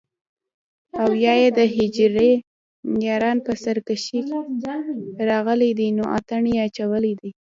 او يا دحجرې ياران په سر کښې راغلي دي نو اتڼ يې اچولے دے